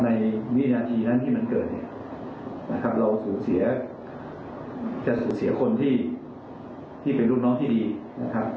ในมิจารณีที่นั้นที่มันเกิดนะครับเราจะสูเสียคนที่เป็นลูกน้องที่ดีนะครับ